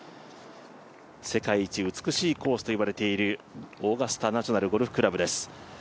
世界一美しいコースといわれているオーガスタ・ナショナル・ゴルフクラブです。